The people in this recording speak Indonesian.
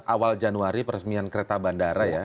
awal januari peresmian kereta bandara ya